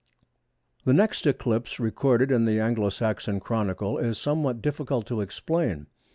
The next eclipse recorded in the Anglo Saxon Chronicle is somewhat difficult to explain.